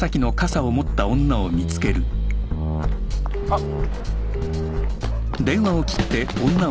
あっ。